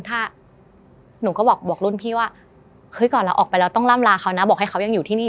ถ้าหนูก็บอกรุ่นพี่ว่าเฮ้ยก่อนเราออกไปเราต้องล่ำลาเขานะบอกให้เขายังอยู่ที่นี่